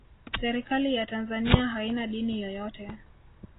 serikali ya tanzania haina dini yoyote